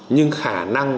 nhưng khả năng